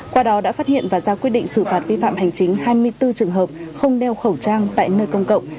qua đó đã phát hiện và ra quyết định xử phạt vi phạm hành chính hai mươi bốn trường hợp không đeo khẩu trang tại nơi công cộng